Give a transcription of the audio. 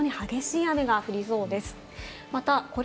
この後も非常に激しい雨が降りそうです。